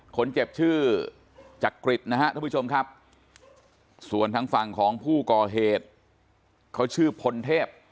คนเจ็บชื่อจักริตนะฮะท่านผู้ชมครับส่วนทางฝั่งของผู้ก่อเหตุเขาชื่อพลเทพ